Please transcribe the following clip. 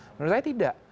menurut saya tidak